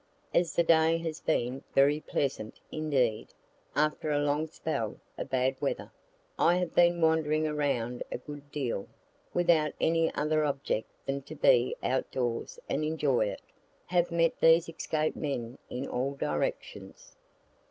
As the day has been very pleasant indeed, (after a long spell of bad weather,) I have been wandering around a good deal, without any other object than to be out doors and enjoy it; have met these escaped men in all directions.